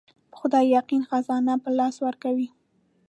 په خدای يقين خزانه په لاس ورکوي.